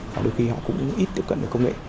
và đôi khi họ cũng ít tiếp cận với công nghệ